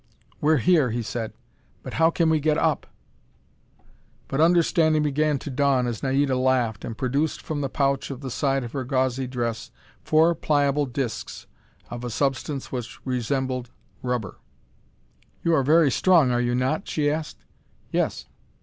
"We're here," he said, "but how can we get up?" But understanding began to dawn as Naida laughed, and produced from the pouch at the side of her gauzy dress four pliable discs of a substance which resembled rubber. "You are very strong, are you not?" she asked. "Yes."